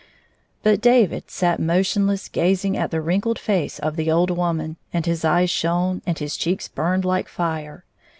But David sat motionlessly gazing at the wrinkled face of the old woman, and his eyes shone and his cheeks burned like fire.